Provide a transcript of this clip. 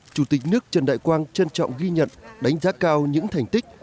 chủ tịch nước trần đại quang trân trọng ghi nhận đánh giá cao những thành tích